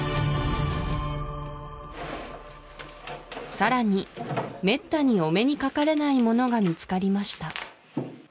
さらにめったにお目にかかれないものが見つかりました